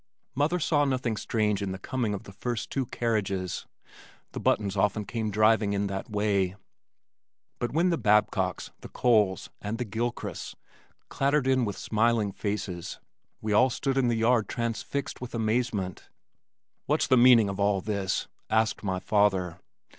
Mother saw nothing strange in the coming of the first two carriages, the Buttons often came driving in that way, but when the Babcocks, the Coles, and the Gilchrists clattered in with smiling faces, we all stood in the yard transfixed with amazement. "What's the meaning of all this?" asked my father.